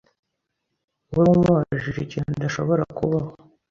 wari umubajije ikintu adashobora kubaho.